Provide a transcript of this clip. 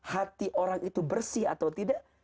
hati orang itu bersih atau tidak